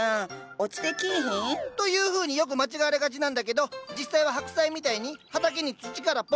落ちてきいひん？というふうによく間違われがちなんだけど実際は白菜みたいに畑に土からポコンとなっておる。